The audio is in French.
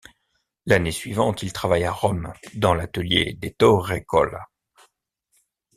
L'année suivante, il travaille à Rome dans l'atelier d'Ettore Colla.